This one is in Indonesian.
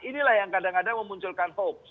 inilah yang kadang kadang memunculkan hoax